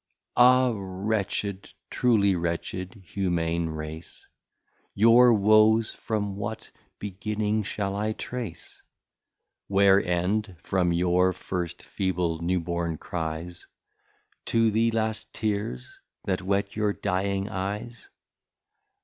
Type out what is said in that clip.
Ah wretched, truly wretched Humane Race! Your Woes from what Beginning shall I trace, Where End, from your first feeble New born Cryes, To the last Tears that wet your dying Eyes?